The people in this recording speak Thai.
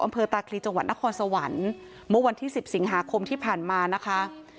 อำเภอตาคลีจังหวัดนครสวรรค์เมื่อวันที่สิบสิงหาคมที่ผ่านมานะคะ